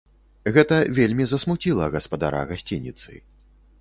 Гэта вельмі засмуціла гаспадара гасцініцы.